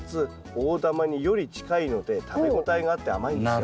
大玉により近いので食べ応えがあって甘いんですよ。